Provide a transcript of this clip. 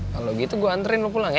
kalau gitu gue antri lo pulang ya